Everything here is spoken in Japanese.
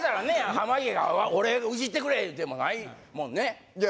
濱家が「俺イジってくれ」でもないもんねいや